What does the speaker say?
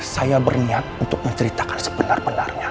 saya berniat untuk menceritakan sepenuhnya